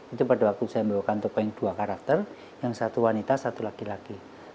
itu pada waktu saya membawakan topeng dua karakter yang satu wanita satu laki laki